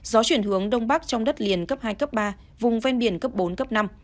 gió chuyển hướng đông bắc trong đất liền cấp hai cấp ba vùng ven biển cấp bốn cấp năm